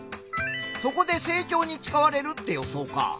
そこで成長に使われるって予想か。